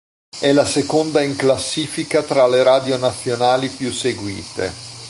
È la seconda in classifica tra le radio nazionali più seguite.